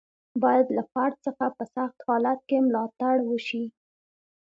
باید له فرد څخه په سخت حالت کې ملاتړ وشي.